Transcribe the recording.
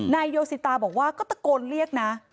โยสิตาบอกว่าก็ตะโกนเรียกนะ